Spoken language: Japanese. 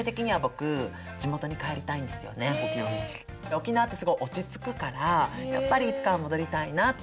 沖縄ってすごい落ち着くからやっぱりいつかは戻りたいなって